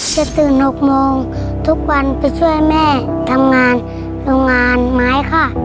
จะตื่น๖โมงทุกวันไปช่วยแม่ทำงานโรงงานไม้ค่ะ